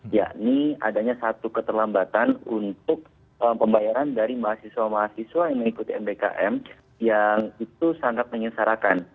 yakni adanya satu keterlambatan untuk pembayaran dari mahasiswa mahasiswa yang mengikuti mbkm yang itu sangat menyesarakan